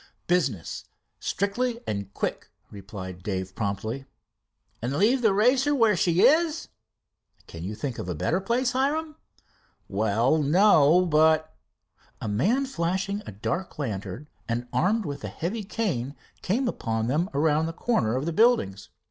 "Business strictly and quick," replied Dave promptly. "And leave the Racer where she is?" "Can you find a better place, Hiram?" "Well, no, but " A man flashing a dark lantern and armed with a heavy cane came upon them around the corner of the buildings.